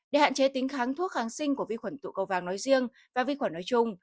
để hạn chế tính kháng thuốc kháng sinh của vi khuẩn tụ cầu vàng nói riêng và vi khuẩn nói chung